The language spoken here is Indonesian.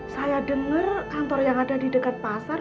saya dengar kantor yang ada di dekat pasar